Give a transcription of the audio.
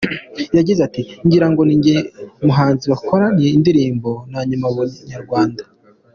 Yagize ati "Ngira ngo ni njye muhanzi bakoranye indirimbo ya nyuma mu Banyarwanda.